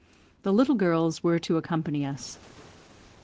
The little girls were to accompany us.